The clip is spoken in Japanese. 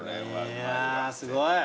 いやすごい。